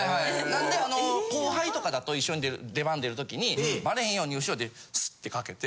なんで後輩とかだと一緒に出番出るときにバレへんように後ろでスッてかけて。